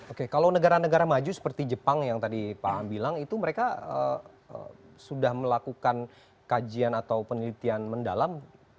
oke kalau negara negara maju seperti jepang yang tadi pak bilang itu mereka sudah melakukan kajian atau penelitian mendalam